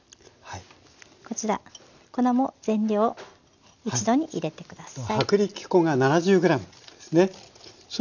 こちら粉も全量一度に入れて下さい。